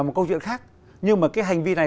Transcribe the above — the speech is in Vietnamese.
một câu chuyện khác nhưng mà cái hành vi này